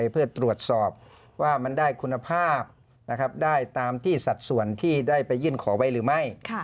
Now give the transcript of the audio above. เพื่อตรวจสอบว่ามันได้คุณภาพได้ตามที่สัดส่วนที่ได้ไปยื่นขอไว้หรือไม่